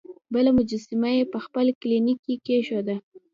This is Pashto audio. بله مجسمه یې په خپل کلینیک کې کیښوده.